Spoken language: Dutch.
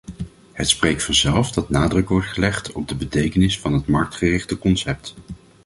Het spreekt vanzelf dat nadruk wordt gelegd op de betekenis van het marktgerichte concept.